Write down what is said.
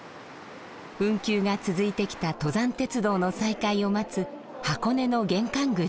運休が続いてきた登山鉄道の再開を待つ箱根の玄関口。